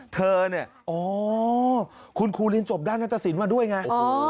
เธอเนี่ยอ๋อคุณครูเรียนจบด้านนัตตสินมาด้วยไง